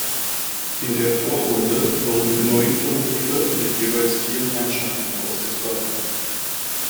In der Vorrunde wurden neun Turniere mit jeweils vier Mannschaften ausgetragen.